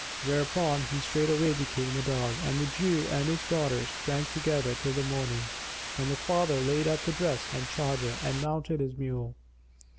Whereupon he straightway became a dog, and the Jew and his daughter drank together till the morning, when the father laid up the dress and charger and mounted his mule.